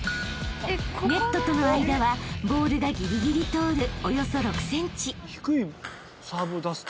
［ネットとの間はボールがぎりぎり通るおよそ６ｃｍ］